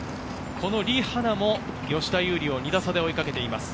リ・ハナも吉田優利を２打差で追いかけています。